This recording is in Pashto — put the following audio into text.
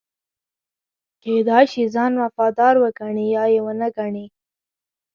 کېدای شي ځان وفادار وګڼي یا یې ونه ګڼي.